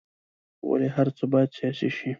ولې هر څه باید سیاسي شي.